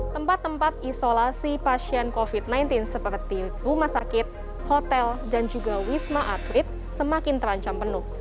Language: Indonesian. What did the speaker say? tempat tempat isolasi pasien covid sembilan belas seperti rumah sakit hotel dan juga wisma atlet semakin terancam penuh